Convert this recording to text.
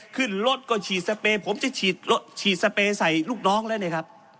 ขึ้นรถก็ฉีดสเปรย์ผมจะฉีดสเปย์ใส่ลูกน้องแล้วเนี่ยครับ